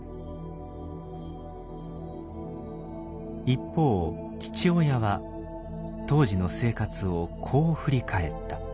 一方父親は当時の生活をこう振り返った。